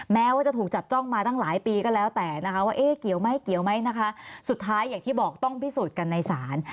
แม้ว่าจะถูกจับจ้องมาตั้งหลายปีก็แล้วแต่ว่าเกี่ยวไหมนะคะสุดท้ายอย่างที่บอกต้องพิสูจน์กันในสาร